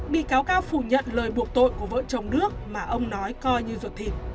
bị cáo cao phủ nhận lời buộc tội của vợ chồng đức mà ông nói coi như ruột thịt